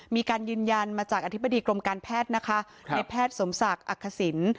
มีการยืนยันมาจากอธิบดีกรมการแพทย์นะคะในแพทย์สมศักดิ์อักษิณ